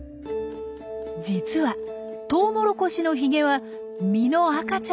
実はトウモロコシのヒゲは実の赤ちゃんにつながっています。